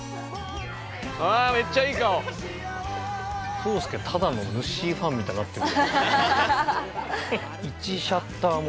聡介ただのぬっしーファンみたいになってる。